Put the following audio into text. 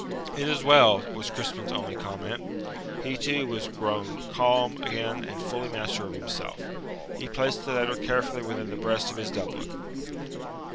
"It is well," was Crispin's only comment. He, too, was grown calm again and fully master of himself. He placed the letter carefully within the breast of his doublet.